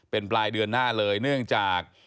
เป็นปลายเดือนหน้าเลยเนื่องจาก